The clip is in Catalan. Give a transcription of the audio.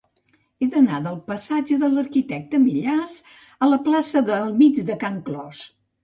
He d'anar del passatge de l'Arquitecte Millàs a la plaça del Mig de Can Clos.